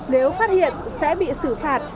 nếu phát hiện sẽ bị xử phạt